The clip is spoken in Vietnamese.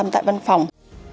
ba mươi tại văn phòng